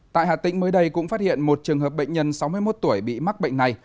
tại hà tĩnh mới đây cũng phát hiện một trường hợp bệnh nhân sáu mươi một tuổi bị mắc bệnh này